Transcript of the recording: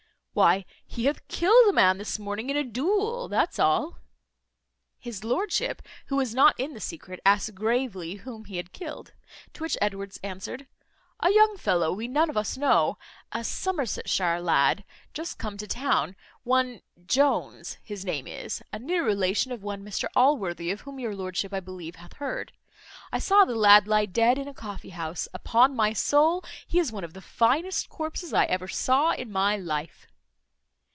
"Why, he hath killed a man this morning in a duel, that's all." His lordship, who was not in the secret, asked gravely, whom he had killed? To which Edwards answered, "A young fellow we none of us know; a Somersetshire lad just came to town, one Jones his name is; a near relation of one Mr Allworthy, of whom your lordship I believe hath heard. I saw the lad lie dead in a coffee house. Upon my soul, he is one of the finest corpses I ever saw in my life!"